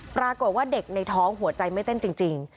ปรากฏว่าเด็กในท้องหัวใจไม่เต้นจริง